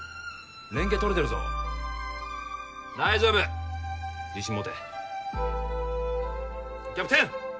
連携取れてるぞ大丈夫自信持てキャプテン